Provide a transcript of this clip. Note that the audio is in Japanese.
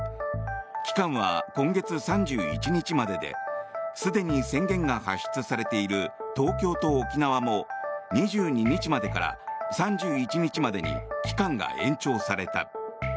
期間は今月３１日までですでに宣言が発出されている東京と沖縄も２２日までから３１日までに期間が延長された。